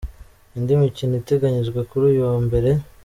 Indi mikino iteganyijwe kuri uyu wa Mbere.